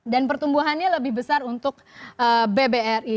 dan pertumbuhannya lebih besar untuk bbri